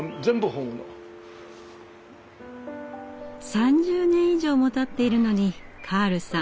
３０年以上もたっているのにカールさん